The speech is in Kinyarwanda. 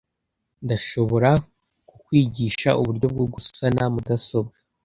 Ndashobora kukwigisha uburyo bwo gusana mudasobwa.